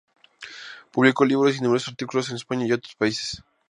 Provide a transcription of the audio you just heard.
Publicó libros y numerosos artículos en España y otros países.